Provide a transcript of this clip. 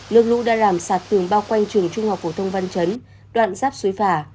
nước lũ đã làm sạt tường bao quanh trường trung học phổ thông văn chấn đoạn giáp suối phả